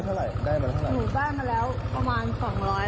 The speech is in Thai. ขอบคุณมากเลย